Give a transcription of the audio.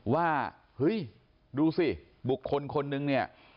ว่าเฮ้ยดูสิบุคคลคนนึงเนี่ย